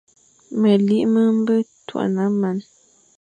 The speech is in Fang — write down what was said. Meli ma be tua man,